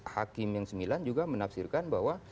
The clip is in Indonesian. hakim yang sembilan juga menafsirkan bahwa